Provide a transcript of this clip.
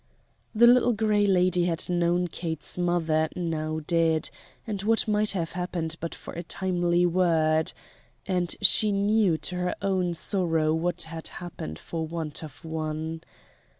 The Little Gray Lady had known Kate's mother, now dead, and what might have happened but for a timely word and she knew to her own sorrow what had happened for want of one.